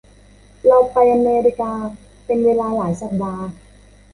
เราไปอเมริกาเป็นเวลาหลายสัปดาห์